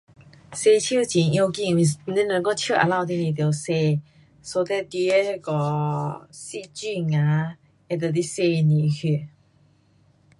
洗手很要紧，你如果手肮脏你不得洗。so that 你的那个细菌 um 会被你洗掉去。